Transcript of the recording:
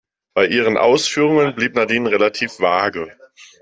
Bei ihren Ausführungen blieb Nadine relativ vage.